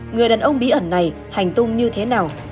người đàn ông bí ẩn này hành tung như thế nào